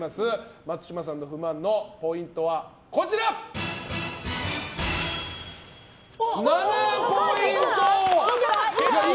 松嶋さんの不満のポイントは７ポイント！